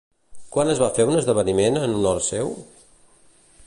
Quan es va fer un esdeveniment en honor seu?